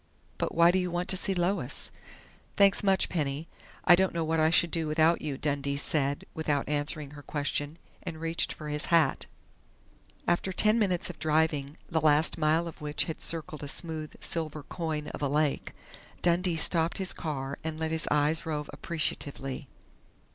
But why do you want to see Lois?" "Thanks much, Penny. I don't know what I should do without you," Dundee said, without answering her question, and reached for his hat. After ten minutes of driving, the last mile of which had circled a smooth silver coin of a lake, Dundee stopped his car and let his eyes rove appreciatively.